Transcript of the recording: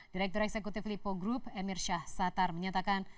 direktur eksekutif lipo group emir shah sattar menyatakan